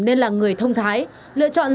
nên là người thông thái lựa chọn